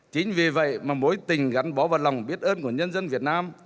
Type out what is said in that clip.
chính vì vậy mà mối tình gắn bó và lòng biết ơn của nhân dân việt nam